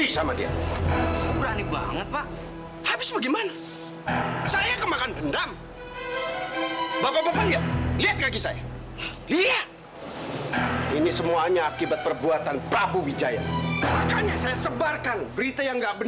sampai jumpa di video selanjutnya